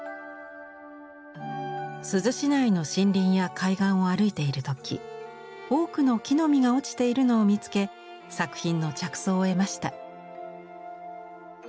珠洲市内の森林や海岸を歩いている時多くの木の実が落ちているのを見つけ作品の着想を得ました。